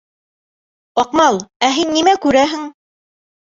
— Аҡмал, ә һин нимә күрәһең?